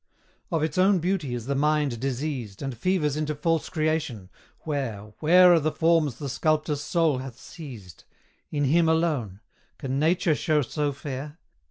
Of its own beauty is the mind diseased, And fevers into false creation; where, Where are the forms the sculptor's soul hath seized? In him alone. Can Nature show so fair?